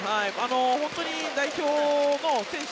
本当に代表の選手